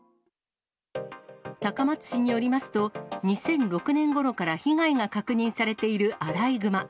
高松市によりますと、２００６年ごろから被害が確認されているアライグマ。